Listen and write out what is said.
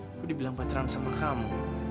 aku dibilang bateran sama kamu